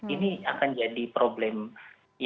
ini akan jadi problem yang serius nih bagi aparatnya